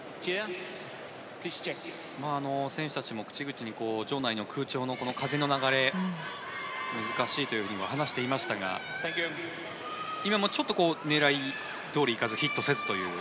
選手たちも口々に場内の空調の風の流れ難しいとも話していましたが今も、ちょっと狙いどおりいかずヒットせずという。